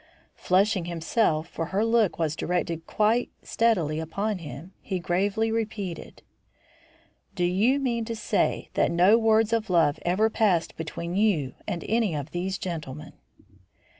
Flushing himself, for her look was directed quite steadily upon him, he gravely repeated: "Do you mean to say that no words of love ever passed between you and any of these gentlemen?"